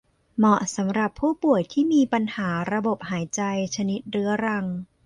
เหมาะสำหรับผู้ป่วยที่มีปัญหาระบบหายใจชนิดเรื้อรัง